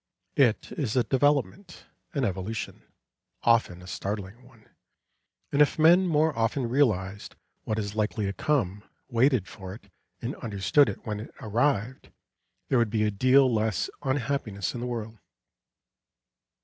It is a development, an evolution, often a startling one, and if men more often realised what is likely to come, waited for it, and understood it when it arrived, there would be a deal less unhappiness in the world.